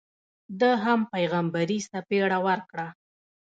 ده هم پیغمبري څپېړه ورکړه.